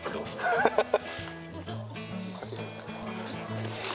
ハハハハ！